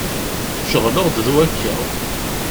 Ceɣleɣ-d d wakka.